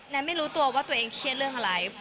ไม่รู้ตัวว่าตัวเองเครียดเรื่องอะไร